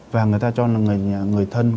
và người ta cho người thân